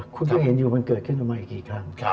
คุณที่เห็นอยู่มันเกิดขึ้นออกมาอีกกี่ครั้ง